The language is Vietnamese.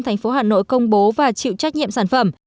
thành phố hà nội công bố và chịu trách nhiệm sản phẩm